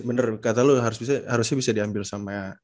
bener kata lo harusnya bisa diambil sama